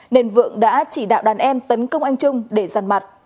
nên vượng đã chỉ đạo đàn em tấn công anh trung để giàn mặt